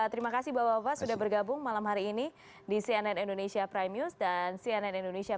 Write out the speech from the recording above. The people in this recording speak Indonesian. terima kasih bapak bapak sudah bergabung malam hari ini di cnn indonesia prime news dan cnn indonesia